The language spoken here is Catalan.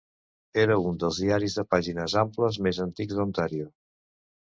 Era un dels diaris de pàgines amples més antics d'Ontario.